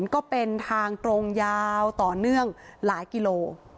ก็เป็นทางตรงยาวต่อเนื่องหลายกิโล